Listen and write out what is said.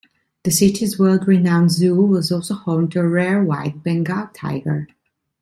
The city's world-renowned zoo was also home to a rare white Bengal tiger.